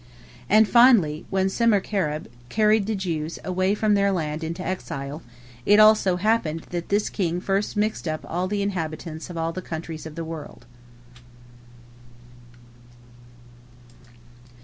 And, finally, when Sermacherib carried the Jews away from their land into exile, it also happened that this king first mixed up the inhabitants of all the countries of the world.